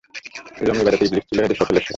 ইলম ও ইবাদতে ইবলীস ছিল এদের সকলের সেরা।